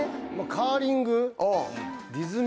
カーリング。